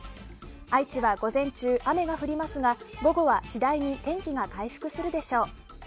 愛知は午前中、雨が降りますが午後は次第に天気が回復するでしょう。